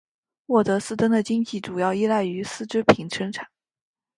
沃德斯登的经济主要依赖于丝织品生产。